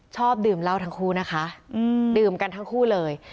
ชอบดื่มเหล้าทั้งคู่นะคะดื่มกันทั้งคู่เลย